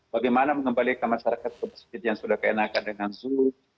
bagaimana mengembalikan masyarakat ke masjid yang sudah keenakan dengan zoom